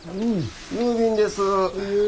郵便です。